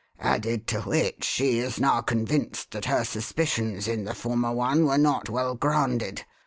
Added to which, she is now convinced that her suspicions in the former one were not well grounded.